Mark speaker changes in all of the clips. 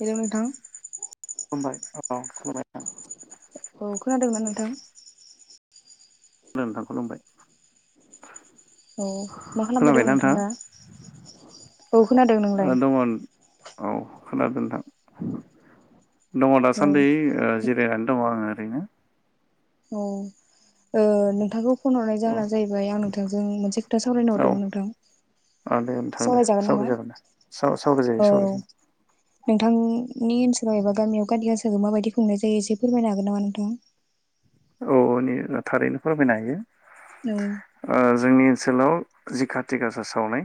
Speaker 1: Hello नोंथां
Speaker 2: होमबाय अ [unintelligible]
Speaker 1: औ खोनादोंना नोंथां
Speaker 2: नोंथां खुलुमबाय
Speaker 1: औ मा खालामबाय दङ
Speaker 2: खोनाबायना
Speaker 1: नोंथांङा
Speaker 2: नोंथाङा
Speaker 1: दा? औ खोनादों,
Speaker 2: ओ
Speaker 1: नोंलाय?
Speaker 2: दङ औ खोनादों [inaudible] दङ
Speaker 1: औ
Speaker 2: दासान्दै ओ जिरायनानै दङ आंङो । रोयनो
Speaker 1: औ ओ नोंथांखौ फन हरनाय जाहोना जाहैबाय आं नोंथांजों मोनसे खोथा सावरायनो
Speaker 2: औ
Speaker 1: हरदोंमोन नोंथां
Speaker 2: औ दे
Speaker 1: ।
Speaker 2: नोंथां दे
Speaker 1: सावरायजागोन
Speaker 2: सावराय
Speaker 1: नामा?
Speaker 2: जागोन दे सावराय जायो
Speaker 1: औ
Speaker 2: सावराय जायो
Speaker 1: नोंथां नि ओनसोलाव एबा गामियाव काटि गासाखौ माबायदि खुंनाय जायो एसे फोरमायनो हागोन नामा नोंथांङा?
Speaker 2: औ नै ओ थारैनो फोरमायनो हायो ।
Speaker 1: औ
Speaker 2: जोंनि ओनसोलाव जि खाति गासा सावनाय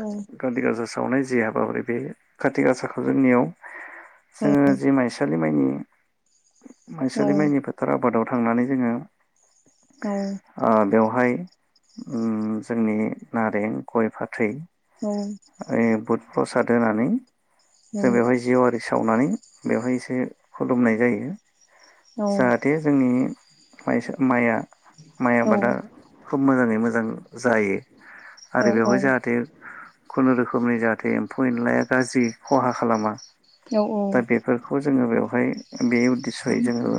Speaker 1: औ
Speaker 2: गासा सा सावनाय जि हाबाफारि बे खाथि गासाखौ जोंनियाव जोङो जे माइ सालिमाइनि मायसालि माइनि फोथाराव आबादाव थांनानै जोङो
Speaker 1: औ
Speaker 2: ओ बेवहाय उम जोंनि नारें, गय, फाथै
Speaker 1: औ
Speaker 2: ऐ बुद प्रसाद होनानै जों बेवहाय जेवआरि सावनानै बेवहाय एसे खु खुुलुमनाय जायो।
Speaker 1: औ
Speaker 2: जाहाथे जोंनि माइसा माया माइ
Speaker 1: औ
Speaker 2: आबादा खोब मोजाङै मोजां जायो आरो
Speaker 1: औ औ
Speaker 2: बेवहाय जाहाथे खुनुरुखुमनि जाहाथे एम्फौ एनलाया गाज्रि खहा खालामा। दा बेफोरखौ जोङो बेवहाय बे उद्देश्यै जोङो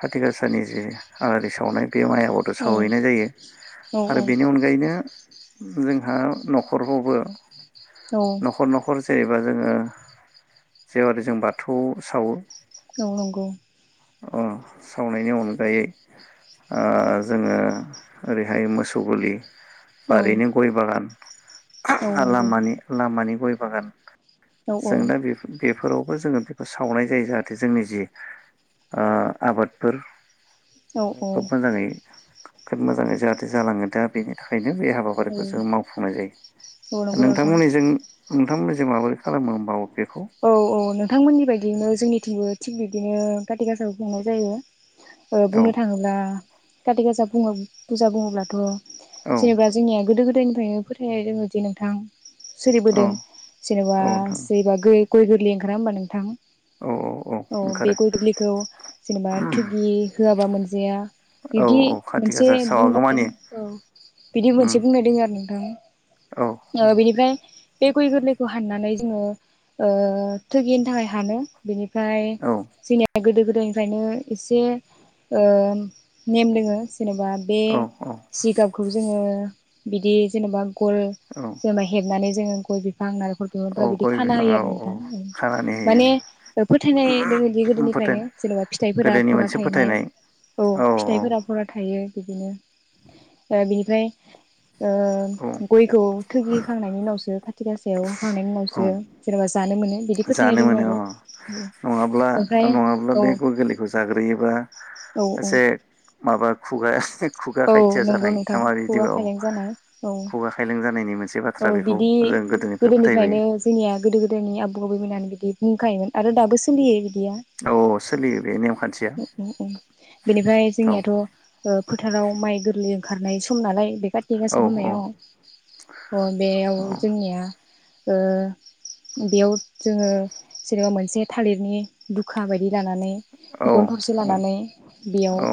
Speaker 2: खाथिक आसानि जे आलारि सावनाय बे माइ आबादाव सावहैनाय जायो
Speaker 1: औ
Speaker 2: आरो बेनि अनगायैनो जों हा न'खरखौबो
Speaker 1: औ
Speaker 2: न'खर न'खरसे बा जोङो जेवारि जों बाथौ सावो।
Speaker 1: औ नंगौ
Speaker 2: अ' सावनायनि अनगायै ओ जोङो ओरैहाय मोसौ गलि
Speaker 1: औ
Speaker 2: बारिनि गय बागान
Speaker 1: औ नंगौ
Speaker 2: लामानि लामानि गय बागान
Speaker 1: औ
Speaker 2: जोंना
Speaker 1: औ
Speaker 2: बेफोर बेफोराव जोङो बेखौ सावनाय जायो जाहाथे जोंनि जि ओ आबादफोर
Speaker 1: औ औ
Speaker 2: खोब मोजाङै खोब मोजां जाहा जालाङो दा बेनि थाखायनो बे
Speaker 1: औ
Speaker 2: हाबाफारिखौ जों मावफुंनाय जायो
Speaker 1: औ नंगौ नोंथां
Speaker 2: नोंथांमोननि जों नोंथांमोननिजों माबो
Speaker 1: औ औ नोंथांमोननि बायदियैनो जोंनिथिंबो थिग बि दिनो कातिक आसाखौ खुंनाय जायो। ओ
Speaker 2: औ
Speaker 1: बुंनो थाङोब्ला कातिक आसा बुङो फुजा बुङोब्लाथ'
Speaker 2: औ
Speaker 1: जेनेबा जोंनिया गोदो गोद दायनिफ्रायनो फोथायनाय दोङोदि नोंथां।
Speaker 2: औ
Speaker 1: सोलिबोदों जेनबा
Speaker 2: औ नोंथां
Speaker 1: बा गै गय गोरलै ओंखारा होमबा नोंथां। औ बे गय गोरलैखौ जेनेबा थुगि होआबा मोन जाया
Speaker 2: औ
Speaker 1: बिदि
Speaker 2: खाथि
Speaker 1: मोनसे
Speaker 2: गासा
Speaker 1: बुंनाय
Speaker 2: सावागौमानि
Speaker 1: ओ बिदि मोनसे
Speaker 2: उम
Speaker 1: बुंनाय दङो आरो ओं
Speaker 2: औ औ
Speaker 1: ओ बेनिफ्राय बे गय गोरलैखौ हाननानै जोङो ओ थैगिनो थाखाय हानो बिनि ओमफ्राय
Speaker 2: औ
Speaker 1: जोंनिया गोदो-गोदाय गोदोनिफ्रायनो एसे ओ नेम दोङो ज जेनेबा बे
Speaker 2: औ
Speaker 1: जिगाबखौ जोङो बिदि जेनबा गल
Speaker 2: औ
Speaker 1: जेनेबा हेबनानै ज जोङो गय गोर आं
Speaker 2: औ
Speaker 1: नालेखरखो [unintelligible]
Speaker 2: गय
Speaker 1: खाना होयो
Speaker 2: बिफाङाव
Speaker 1: आरो
Speaker 2: औ
Speaker 1: नोंथां
Speaker 2: खानानै
Speaker 1: माने ओ फोथायनाय दोङोदि
Speaker 2: होयो फोथाय
Speaker 1: गोदोनिफ्रायनो जेनेबा फिथाइफोरा
Speaker 2: गोदोनि
Speaker 1: भरा
Speaker 2: मोनसे
Speaker 1: थाइनाय
Speaker 2: फोथायनाय
Speaker 1: औ
Speaker 2: औ औ
Speaker 1: फिथाइफोरा भरा थायो। बिदिनो ओ बिनिफ्राय ओ
Speaker 2: औ
Speaker 1: गयखौ थुग्लिखांनायनि उनावसो खाथि खासा बेयाव खांनायनि
Speaker 2: औ
Speaker 1: उनावसो जेनेबा जानो मोनो बिदि फोथायनाय
Speaker 2: जानो
Speaker 1: दङ
Speaker 2: मोनो
Speaker 1: आरो
Speaker 2: अ नङाब्ला
Speaker 1: ओमफ्राय
Speaker 2: नङाब्ला
Speaker 1: औ
Speaker 2: बे गय गोरलैखौ जाग्रोयोबा
Speaker 1: औ औ
Speaker 2: एसे माबा खुगा [unintelligible]
Speaker 1: औ
Speaker 2: खायथिया
Speaker 1: नंगौ
Speaker 2: जानाय
Speaker 1: नोंथां
Speaker 2: नामा
Speaker 1: खुगा
Speaker 2: बिदिबा औ
Speaker 1: खायलें जानाय औ
Speaker 2: खुगा खायलें जानायनि मोनसे
Speaker 1: औ
Speaker 2: बाथ्रा बेखौ
Speaker 1: बिदि
Speaker 2: जों गोदोनिफ्राय फोथायबोयो
Speaker 1: गोदोनिफ्रायनो जोंनिया गोदो गोदायनि आबौ आबैमोना बिदि बुंखायोमोन आरो दाबो सोलियो इ बियो
Speaker 2: औ सोलियो बे नेमखान्थिया
Speaker 1: उम उम उम बिनिफ्राय
Speaker 2: औ
Speaker 1: जोंनियाथ' ओ फो आव औ माइ गोरलै ओंखारनाय सम नालाय बे खाारथि
Speaker 2: औ
Speaker 1: गासा समायाव अ बेयाव
Speaker 2: औ
Speaker 1: जोंनिया ओ बेयाव जोङो जेनेबा मोनसे थालिरनि दुखा बायदि लानानै
Speaker 2: औ
Speaker 1: गन थसे
Speaker 2: औ
Speaker 1: लानानै बेयाव
Speaker 2: औ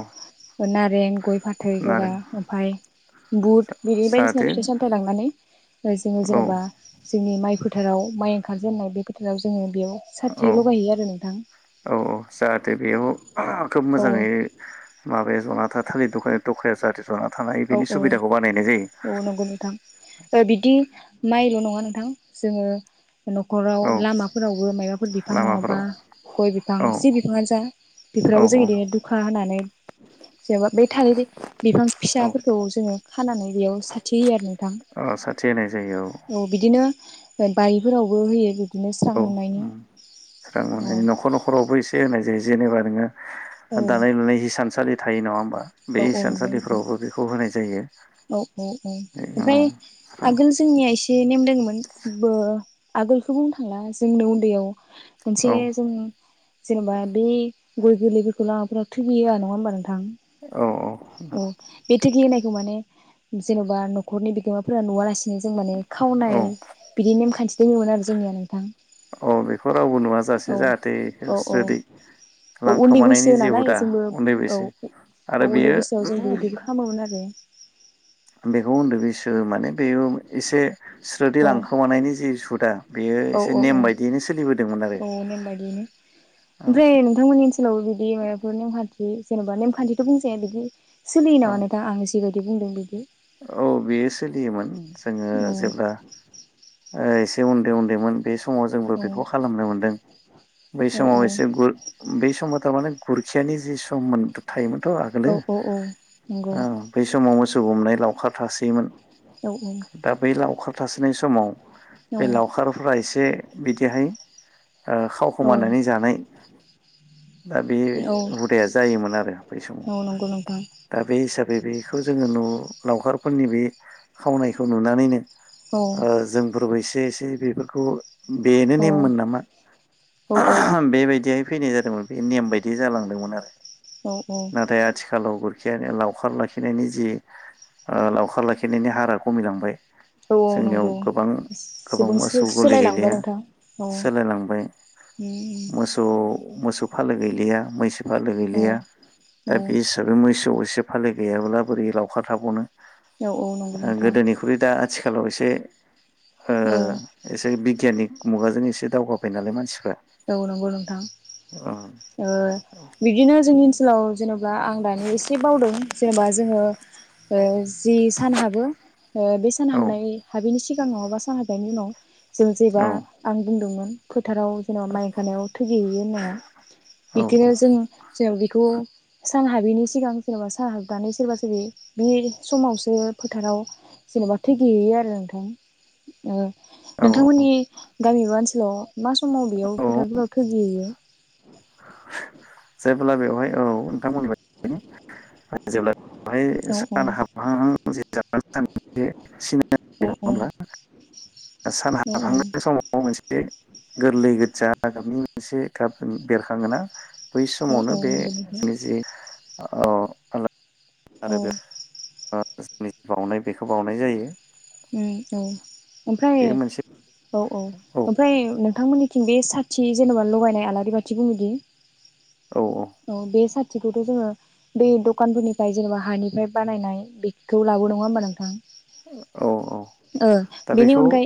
Speaker 1: नारें गय फाथै जरा
Speaker 2: नारें
Speaker 1: ओमफाय बुट बिदि बायदिसिना
Speaker 2: जाहाथे
Speaker 1: फिथाइ-सामथायाइ लांनानै जोङो
Speaker 2: औ
Speaker 1: जेनेबा
Speaker 2: औ
Speaker 1: जोंनि माय फोथाराव माय ओंखारजेननाय बे फोथाराव जोङो बेयाव साथि
Speaker 2: औ
Speaker 1: लगायहैयो आरो नोंथां
Speaker 2: औ औ जाहाथे बेयाव खोब
Speaker 1: औ
Speaker 2: मोजाङै माबाया जना था थालिर दखाया-दखाया जादेर
Speaker 1: औ औ औ नंगौ नोंथां जेरै बिदि मायल'नङा नों थां जोङो न'खराव
Speaker 2: औ
Speaker 1: लामाफोरावबो मायबाफोर बिफां नङाबा
Speaker 2: लामाफोराव
Speaker 1: गय बिफां
Speaker 2: औ
Speaker 1: जि बिफाङानो जा
Speaker 2: औ
Speaker 1: बेफोरावबो जों बिदिनो दुखा होनानै जेनबा बे थालारनि बिफां
Speaker 2: औ
Speaker 1: फिसाफोरखौ जोङो खानानै बेयाव साथि होयो आरो न थां
Speaker 2: औ साथि होनाय जायो
Speaker 1: औ बिदिनो अ बारिफोरावबो होयो बिदिनो स्रां
Speaker 2: औ
Speaker 1: नुनायनि
Speaker 2: अम
Speaker 1: औ
Speaker 2: स्रांनुनायनि न'खर-न'खरावबो एसे होनाय जायो जेनेबा नोङो
Speaker 1: औ
Speaker 2: दानाय लुनाय हिसानसालि थायो नङा होमबा? बे
Speaker 1: औ औ नंगौ नोंथां
Speaker 2: हिसानसालिफोरावबो बेखौ होनाय जायो।
Speaker 1: औ औ औ
Speaker 2: औ
Speaker 1: ओमफ्राय
Speaker 2: स्रां
Speaker 1: आगोल जोंनिया एसे नेम दोङोमोन बो आगोलखौ बुंनो थांला जोंनो उन्दैयाव जे
Speaker 2: औ
Speaker 1: जों जेनेबा बे गोगो लोगो खोलाफोरा थोगिहोआ नङा होमबा नों थां?
Speaker 2: औ
Speaker 1: अ बे थिग्लि होनायखौ माने जेनेबा न' हरनि बिगोमाफोरा नुवालास अम जों माने
Speaker 2: औ
Speaker 1: खावनाय
Speaker 2: औ
Speaker 1: बिदि नेम-खान्थि दङोमोन आरो जोंनिया नोंथां
Speaker 2: अ बेखौ रावबो नुवाजासे
Speaker 1: औ
Speaker 2: जाहाथे
Speaker 1: औ औ
Speaker 2: होस्रोदै
Speaker 1: औ उन्दै
Speaker 2: लांखोमानायनि
Speaker 1: बैसो
Speaker 2: जे
Speaker 1: नालाय
Speaker 2: हुदा
Speaker 1: जोंबो
Speaker 2: उन्दै बैसो
Speaker 1: औ
Speaker 2: आरो बेयो
Speaker 1: उन्दैबैसोआव जों बिबदिखौ खामोमोन आरो अम
Speaker 2: बेखौ उन्दै बै सो माने बेयो एसे स्रोदै
Speaker 1: औ
Speaker 2: लांखोमानायनि जि सु दा
Speaker 1: औ औ औ औ नेम बाददियनो
Speaker 2: आरो
Speaker 1: ओमफ्राय नोंथांमोननि ओनसोलावबो बिदि माबाफोर नेमखान्थि जेनबा नेमखान्थिथ बुंसै बिदि सोलियो
Speaker 2: औ
Speaker 1: नामा नोंथां आं जेबो बिदि बुंदों बिदियो
Speaker 2: औ बेयो सोलियोमोन जोङो
Speaker 1: औ
Speaker 2: जेब्ला ओस उन्दै उन्दैमोन बे समाव जोंबो
Speaker 1: औ
Speaker 2: बेखौ खालामनो मोनदों बै
Speaker 1: औ
Speaker 2: समाव एसे गुर बै समाव थारमाने गुरखियानि जि सु सम थायोमोनथ
Speaker 1: औ
Speaker 2: आगोलो
Speaker 1: औ औ नंगौ
Speaker 2: औ बै समाव मोस [unintelligible] हमनाय लावखार थासोयोमोन
Speaker 1: औ
Speaker 2: दा बै लावखार थासोनाय समाव बे
Speaker 1: औ
Speaker 2: लावखारफोरा एसे जे बिदिहाय ओ खाव
Speaker 1: औ
Speaker 2: खोमानानै जानाय दा बे
Speaker 1: औ
Speaker 2: हुदाया जायोमोन आरो बै समाव
Speaker 1: औ नंगौ नोंथां
Speaker 2: दा बे हिसाबै बे बेखौ जोङो नु लावखारफोरनि बे खावनायखौ नुनानैनो
Speaker 1: औ
Speaker 2: जोंफोरबोै एसे एसे एसे बेफोरखौ बेनो
Speaker 1: औ
Speaker 2: नेममोन नामा
Speaker 1: औ
Speaker 2: बेबायदिहाय फैनाय जादोंमोन बे नेम बायदि जालांदोंमोन आरो
Speaker 1: औ औ
Speaker 2: नाथाय आथिखालाव गुरखि लावखार लाखिनायनि जि लावखार लाखिनायनि हारा खमिलांबाय
Speaker 1: औ औ
Speaker 2: जोंनियाव
Speaker 1: नंगौ
Speaker 2: गोबां गोबां
Speaker 1: सुबुं
Speaker 2: मोसौ गलि
Speaker 1: सोलायलांबाय
Speaker 2: गैलिया
Speaker 1: नोंथां औ
Speaker 2: सोलायलांबाय मोसौ मोसौ फालो गैलिया मैसो बा
Speaker 1: औ
Speaker 2: गैलिया
Speaker 1: औ
Speaker 2: दा बे हिसाबै मोसौ एसे फालि गैयाब्ला बोरै लावखार थाबावनो
Speaker 1: औ नंगौ
Speaker 2: ओ
Speaker 1: नोंथां
Speaker 2: गोदोनिख्रुइ दा आथिखालाव एसे ओ
Speaker 1: औ
Speaker 2: एसे बिगियानिक मुगाजों एसे दावगाबाय नालाय मानसिफ्रा
Speaker 1: औ नंगौ नोंथां
Speaker 2: औ
Speaker 1: ओ बिदिनो जोंनि स्कुलाव जेनेबा आं दानि एसे बावदों जेनेबा जोङो जि सान हाबो बे सान
Speaker 2: औ
Speaker 1: हामनाय हाबिनि सिग गाङाव नङाबा सान हाबनायनि उनाव जों
Speaker 2: औ
Speaker 1: जेबा आं बुंदोंमोन फोथाराव जेनेबा माइ हानायाव थैहैयो होननाया
Speaker 2: औ
Speaker 1: बिदिनो जों जो बेखौ सान हाबैनि सिगां जेनबा साना हाबनानै सोरबा सोरबि बे समावसो फोथाराव जेनेबा थैहैयो आरो नोंथां
Speaker 2: औ
Speaker 1: नोंथांमोननि गामि बा ओनसोलाव मा समाव बेयाव
Speaker 2: औ
Speaker 1: फोथारफोराव थैगुयो
Speaker 2: जेब्ला बेवहाय औ [unintelligible]
Speaker 1: औ औ
Speaker 2: सान हाबहांनाय समाव मोनसे गोरलै गोजा गाबनि मोनसे गाब बेरखाङोना बै समावनो बे
Speaker 1: नंगौ नोंथां
Speaker 2: जोंनि जि [unintelligible] आरो
Speaker 1: औ
Speaker 2: बे आ जोंनि बावउनाय बेखौ बावउनाय जायो
Speaker 1: उम औ ओमफ्राय
Speaker 2: बे मोनसे
Speaker 1: औ औ ओमफ्राय नोंथांमोननिथिं बे साथि जेनबा लगायनाय आलारि बाथि बुङोदि औ बे साथ थिखौथ जोङो बे दखानफोरनिफ्राय जेनेबा हानिफ्राय बानायनाय बेखौलाङो नङा होनबा नों थां
Speaker 2: औ औ
Speaker 1: ओ
Speaker 2: दा
Speaker 1: बेनि
Speaker 2: बेखौ
Speaker 1: अनगायै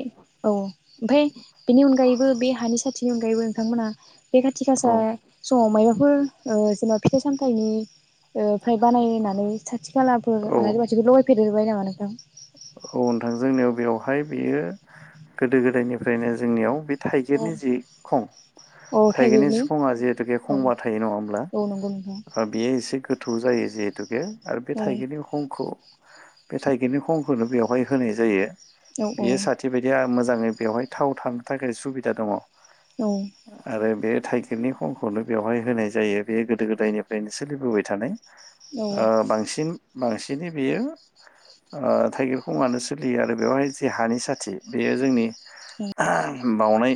Speaker 1: औ ओमफ्राय बेनि अनगायैबो बे हानि साथि बेनि अनगायैबो नोंथांमोना बे खाथि गासा
Speaker 2: औ
Speaker 1: समाव मायबा फोर ओ जेनेबा फिथाइ सामथनि ओ ओमफ्राय बानायनानै साथि खालाफोर
Speaker 2: औ
Speaker 1: आलारि बाथिबो लगायफेर फेरबाय नामा नों ओं
Speaker 2: हाय बियो गोदो गोदायनिफ्रायनो जोंनियाव बे थाइगिरनि
Speaker 1: औ
Speaker 2: जि खं थाइगिरनि सिखङा जिहेतुके
Speaker 1: औ
Speaker 2: खंबा थायो नङा होमब्ला
Speaker 1: औ नंगौ नोंथां
Speaker 2: बेयो एसे गो थौ जायो जिहेतुके आरो बे
Speaker 1: औ
Speaker 2: थाइगिरनि हुखंखौ बे थाइगिरनि खं खौनो बेवहाय होनाय जायो
Speaker 1: औ
Speaker 2: बियो साथि बायदि आ मोजाङै बेवहाय थाव थानो थाखाय सुबिदा दङ
Speaker 1: औ
Speaker 2: आरो बे थाइखिरनि खं खौनो बेवहाय होनाय जायो बे गोदो गोदायनिफ्रायनो सोलिबोबाय थानाय ओ बांसिन बांसिनहै बियो ओ थाइगिर खं आनो सोलियो आरो बेवहाय जे हानि साथि बेयो जोंनि बावनाय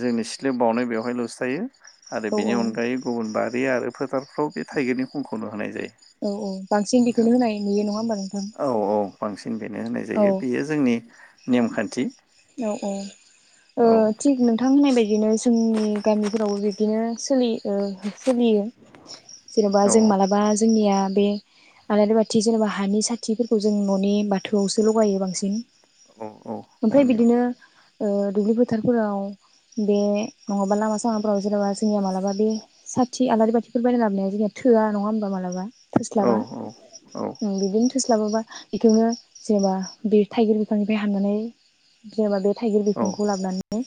Speaker 2: जोंनि सिथलायाव बावनाय बेवहायलसो थायो आरो
Speaker 1: औ
Speaker 2: बेनि
Speaker 1: औ
Speaker 2: अनगायै गुबुन बार बे आरो फोथारफ्राव बे थाइगिरनि खंखौनो होनाय जायो।
Speaker 1: औ औ बांसिन
Speaker 2: नोंथां
Speaker 1: बेखौनो होनाय नुयो नङा होमबा नोंथां?
Speaker 2: औ औ बांसिन बेनो होनाय
Speaker 1: औ
Speaker 2: जायो बियो जोंनि नेमखान्थि
Speaker 1: औ औ ओ
Speaker 2: औ औ
Speaker 1: थिग नोंथां होननाय बाय दिनो जोंनि गामिफोरावबो बिदिनो सोलि ओ सोलियो जेनबा जों
Speaker 2: औ
Speaker 1: मालाबा जोंनिया बे आलारि बाथि जेनेबा हानि साथिफोरखौ जों ननि बाथौआवसो लगायो बांसिन
Speaker 2: औ औ न'नियाव
Speaker 1: नो ओ दुब्लि फोथारफोराव बे नङाबा लामा सामाफोराव जेनेबा जोंनिया मालाबा बे साथि आलारि बाथिफोर बायना लाबोनाया जोंनिया थोआ नङा होनबा मालाबा
Speaker 2: औ
Speaker 1: थोस्लाबा
Speaker 2: औ
Speaker 1: बिदिनो थोस्लाबाबा बेखौनो जेनेबा बे थाइगिर बिफांनिफ्राय हाननानै जेनेबा बे थाइगिर
Speaker 2: औ
Speaker 1: बिखंखौ लाबोनानै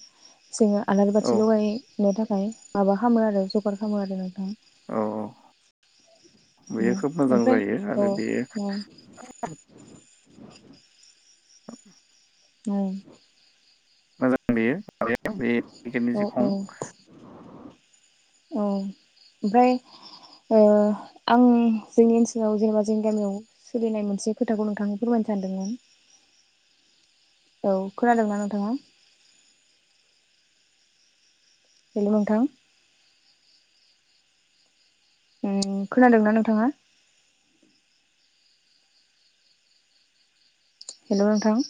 Speaker 1: जोङो आलारि
Speaker 2: औ
Speaker 1: बाथि लगायनो थाखाय माबा खामो आरो जगार खामो आरो नोंथां
Speaker 2: औ बेयो खोब मोजां
Speaker 1: ओमफ्राय
Speaker 2: जायो
Speaker 1: औ
Speaker 2: आरो बेयो
Speaker 1: औ
Speaker 2: [inaudible]
Speaker 1: उम
Speaker 2: मोजां बेयो माबाया बे टिकेटनि जि
Speaker 1: औ औ
Speaker 2: खं
Speaker 1: औ ओमफ्राय ओ आंनि जोंनि ओनसोलाव जेनेबा जोंनि गामियाव सोलिनाय मोनसे खोथाखौ नोंथांनो फोरमायनो सानदोंमोन? औ खोनादोंना नोंथाङा? हेल नोंथां उम खोनादोंना नोंथाङा? हेल नोंथां